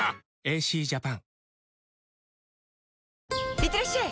いってらっしゃい！